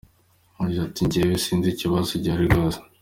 Yagize ati “Njyewe sinzi ikibazo gihari rwose.